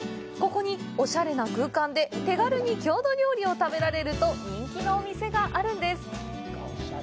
ここに、おしゃれな空間で手軽に郷土料理を食べられると人気のお店があるんです。